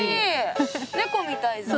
猫みたいじゃん。